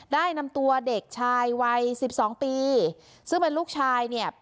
ได้นำตัวเด็กชายวัยสิบสองปีซึ่งเป็นลูกชายเนี่ย